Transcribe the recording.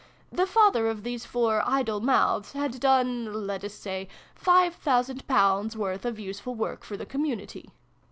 The father of these four 'idle mouths,' had done (let us say) five thousand pounds' worth of useful work for the community.